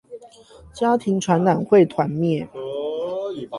家庭傳染會團滅